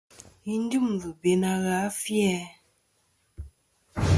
Yi dyɨmlɨ be na gha a fi-æ ?